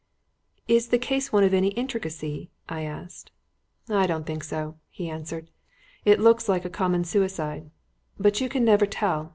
"Is the case one of any intricacy?" I asked. "I don't think so," he answered. "It looks like a common suicide; but you can never tell.